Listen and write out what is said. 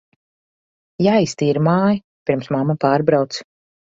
Jāiztīra māja, pirms mamma pārbrauc.